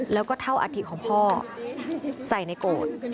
แล้วก็เท่าอัฐิของพ่อใส่ในโกรธ